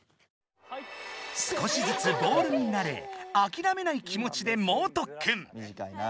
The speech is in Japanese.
少しずつボールに慣れあきらめない気持ちで猛特訓。